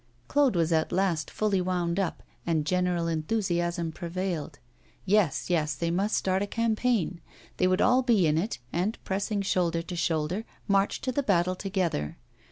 Claude was at last fully wound up, and general enthusiasm prevailed. Yes, yes, they must start a campaign. They would all be in it, and, pressing shoulder to shoulder, march to the battle together.